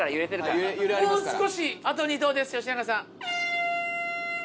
もう少しあと２投です吉永さん。